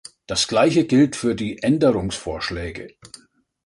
Das gleiche gilt für die Änderungsvorschläge.